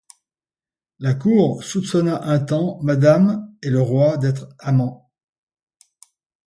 La Cour soupçonna un temps Madame et le roi d'être amants.